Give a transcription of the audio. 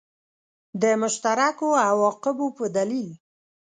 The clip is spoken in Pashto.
د مشترکو عواقبو په دلیل.